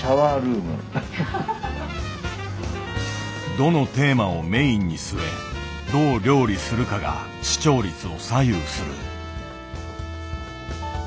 どのテーマをメインに据えどう料理するかが視聴率を左右する。